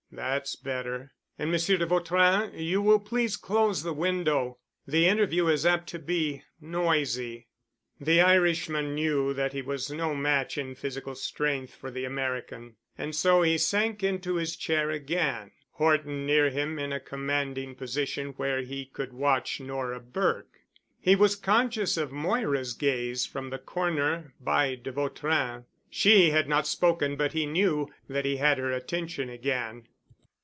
That's better. And Monsieur de Vautrin, you will please close the window. The interview is apt to be noisy." The Irishman knew that he was no match in physical strength for the American, and so he sank into his chair again, Horton near him in a commanding position where he could watch Nora Burke. He was conscious of Moira's gaze from the corner by de Vautrin. She had not spoken but he knew that he had her attention again.